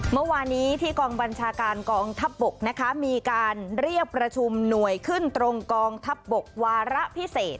เมื่อวานี้ที่กองบัญชาการกองทัพบกนะคะมีการเรียกประชุมหน่วยขึ้นตรงกองทัพบกวาระพิเศษ